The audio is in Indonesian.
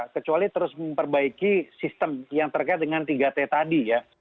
kecuali terus memperbaiki sistem yang terkait dengan tiga t tadi ya